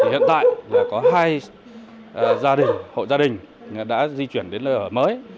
hiện tại có hai gia đình hộ gia đình đã di chuyển đến nơi ở mới